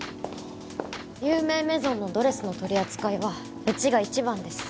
有名メゾンのドレスの取り扱いはうちが一番です